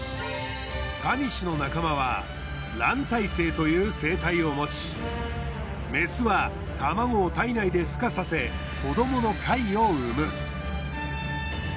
タニシの仲間は卵胎生という生態を持ちメスは卵を体内で孵化させ子どもの貝を生む。